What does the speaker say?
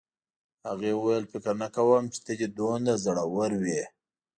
هغې وویل فکر نه کوم چې ته دې دومره زړور وې